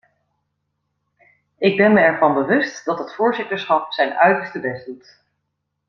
Ik ben me ervan bewust dat het voorzitterschap zijn uiterste best doet.